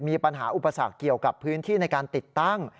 มีปัญหาอุปสรรคเกี่ยวกับพื้นที่ในการติดตั้ง